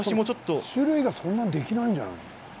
種類はそんなにできないんじゃないの？